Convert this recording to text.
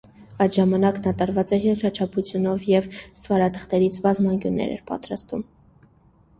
Այդ ժամանակ նա տարված էր երկրաչափությունով և ստվարաթղթից բազմանկյուններ էր պատրաստում։